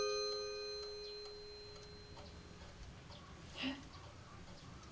えっ？